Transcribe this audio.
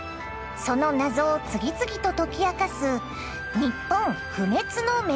その謎を次々と解き明かす